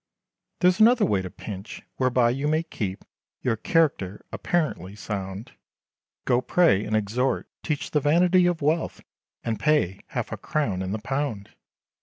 There's another way to pinch, whereby you may keep, Your character, apparently sound, Go pray, and exhort, teach the vanity of wealth, And pay, half a crown in the pound!